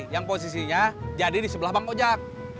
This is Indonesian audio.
yang posisinya jadi di sebelah bang ojak